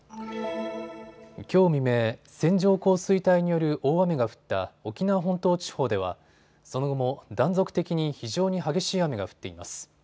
きょう未明、線状降水帯による大雨が降った沖縄本島地方ではその後も断続的に非常に激しい雨が降っています。